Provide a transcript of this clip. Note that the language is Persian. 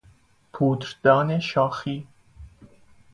پودردان شاخی